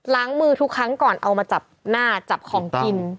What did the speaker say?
ล้างมือทุกครั้งก่อนเอามาจับหน้าจับของกิน